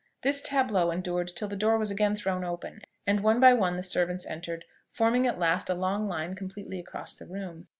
This tableau endured till the door was again thrown open, and one by one the servants entered, forming at last a long line completely across the room.